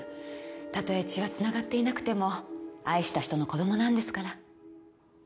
たとえ血はつながっていなくても愛した人の子供なんですから。